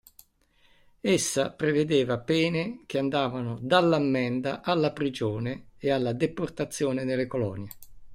Essa prevedeva pene che andavano dall'ammenda alla prigione e alla deportazione nelle colonie.